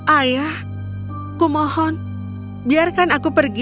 ayah kumohon biarkan aku pergi